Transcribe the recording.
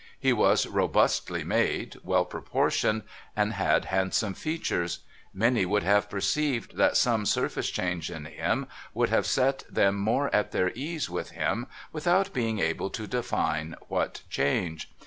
He was robustly made, well proportioned, and had handsome features. Many would have perceived that some surface change in him would have set them more at their ease with him, without being able to define what change.